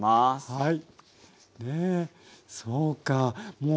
はい。